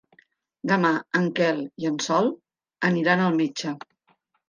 Demà en Quel i en Sol aniran al metge.